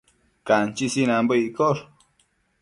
Canchi sinanbo iccosh